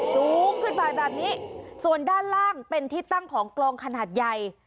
สูงขึ้นไปแบบนี้ส่วนด้านล่างเป็นที่ตั้งของกลองขนาดใหญ่